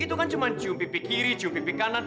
itu kan cuma cium pipi kiri cium pipi kanan